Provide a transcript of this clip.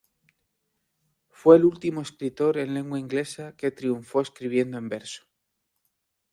Fue el último escritor en lengua inglesa que triunfó escribiendo en verso.